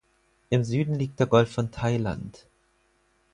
Im Süden liegt der Golf von Thailand.